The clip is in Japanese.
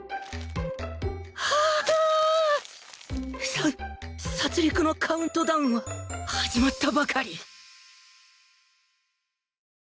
さ殺戮のカウントダウンは始まったばかり